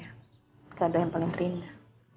gak ada yang paling terindah